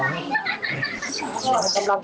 ผมเรียกมาก